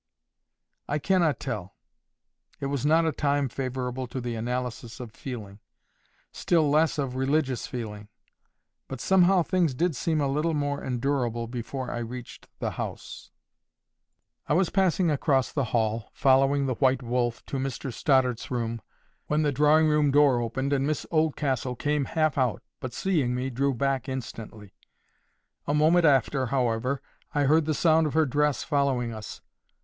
I cannot tell. It was not a time favourable to the analysis of feeling—still less of religious feeling. But somehow things did seem a little more endurable before I reached the house. I was passing across the hall, following the "white wolf" to Mr Stoddart's room, when the drawing room door opened, and Miss Oldcastle came half out, but seeing me drew back instantly. A moment after, however, I heard the sound of her dress following us.